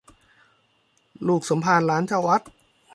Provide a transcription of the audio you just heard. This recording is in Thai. ลูกสมภารหลานเจ้าวัด